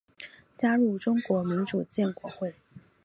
加入中国民主建国会。